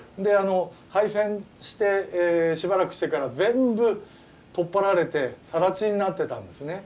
廃線してしばらくしてから全部取っ払われてさら地になってたんですね。